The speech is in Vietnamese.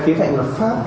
kế hoạch lập pháp